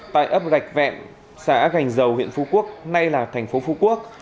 tại ấp gạch vẹn xã gành dầu huyện phú quốc nay là thành phố phú quốc